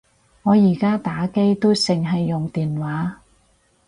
我而家打機都剩係用電話